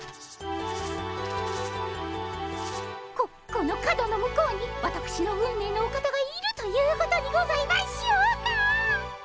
ここの角の向こうにわたくしの運命のお方がいるということにございましょうか。